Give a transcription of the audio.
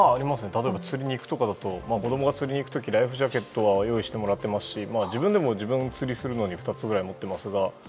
例えば釣りですとかで子供が釣りに行くときはライフジャケットは用意してますし自分でも釣りをするのに２つくらい持っていますが。